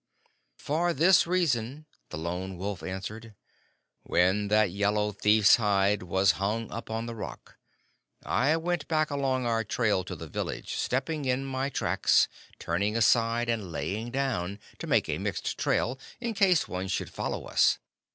"For this reason," the Lone Wolf answered: "when that yellow thief's hide was hung up on the rock, I went back along our trail to the village, stepping in my tracks, turning aside, and lying down, to make a mixed trail in case one should follow us.